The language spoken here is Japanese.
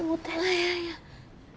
いやいや。